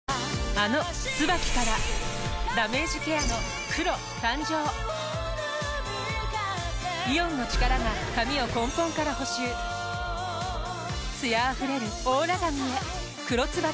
あの「ＴＳＵＢＡＫＩ」からダメージケアの黒誕生イオンの力が髪を根本から補修艶あふれるオーラ髪へ「黒ＴＳＵＢＡＫＩ」